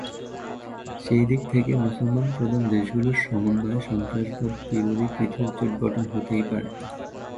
সেদিক থেকে মুসলিমপ্রধান দেশগুলোর সমন্বয়ে সন্ত্রাসবাদবিরোধী পৃথক জোট গঠন হতেই পারে।